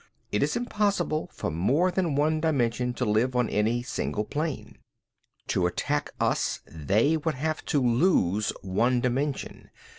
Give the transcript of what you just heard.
It is impossible for more than one dimension to live on any single plane. "To attack us they would have to lose one dimension.